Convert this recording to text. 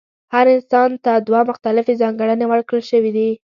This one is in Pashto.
هر انسان ته دوه مختلفې ځانګړنې ورکړل شوې دي.